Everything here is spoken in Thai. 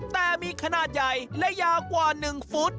แต่มีขนาดใหญ่และยาวกว่า๑ฟุต